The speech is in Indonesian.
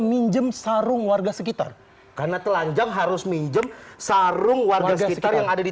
minjem sarung warga sekitar karena telanjang harus minjem sarung warga sekitar yang ada di